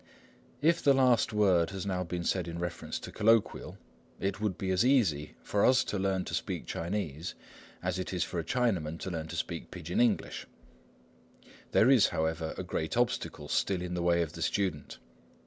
If the last word had now been said in reference to colloquial, it would be as easy for us to learn to speak Chinese as it is for a Chinaman to learn to speak Pidgin English. There is, however, a great obstacle still in the way of the student.